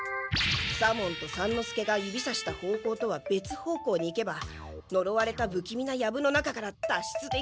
左門と三之助が指さした方向とはべつ方向に行けばのろわれたぶきみなヤブの中から脱出できるはずだ！